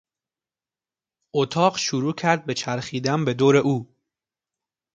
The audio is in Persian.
اتاق شروع کرد به چرخیدن به دور او.